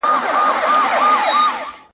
خیر محمد په خپلو سترګو کې د اوښکو نښې لرلې.